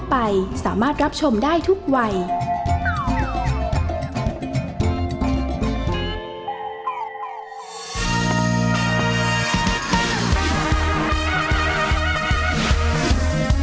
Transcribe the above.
แม่บ้านประจันบาน